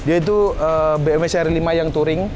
dia itu bmw seri lima yang touring